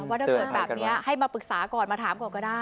ว่าถ้าเกิดแบบนี้ให้มาปรึกษาก่อนมาถามก่อนก็ได้